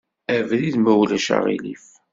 Abrid, ma ulac aɣilif.